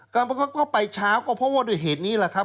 ก็ไปเช้าก็เพราะว่าด้วยเหตุนี้แหละครับ